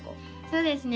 そうですね